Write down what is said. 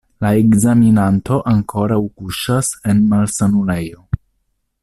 La ekzaminanto ankoraŭ kuŝas en malsanulejo.